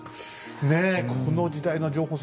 ねえこの時代の情報戦